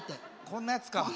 こんなやつか。